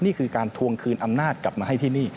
นี่คือการทวงคืนอำนาจกลับมาให้ที่นี่